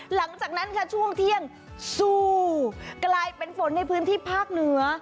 หลังจากนั้นค่ะช่วงเที่ยงสู้กลายเป็นฝนในพื้นที่ภาคเหนือ